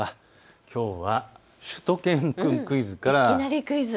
きょうはしゅと犬くんクイズから。